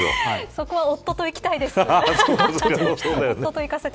そこは、夫と行きたいです。